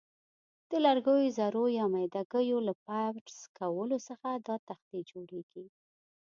د لرګیو ذرو یا میده ګیو له پرس کولو څخه دا تختې جوړیږي.